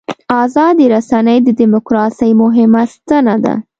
ازادې رسنۍ د دیموکراسۍ مهمه ستن ده.